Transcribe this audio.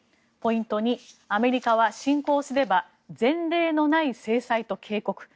ポイント２アメリカは侵攻すれば前例のない制裁と警告。